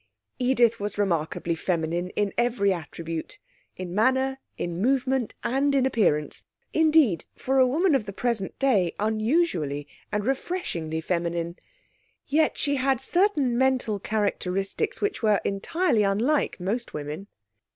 Edith was remarkably feminine in every attribute, in manner, in movement and in appearance; indeed, for a woman of the present day unusually and refreshingly feminine. Yet she had certain mental characteristics which were entirely unlike most women.